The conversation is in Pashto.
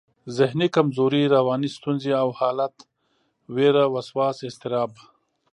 ذهني کمزوري، رواني ستونزې او حالت، وېره، وسواس، اضطراب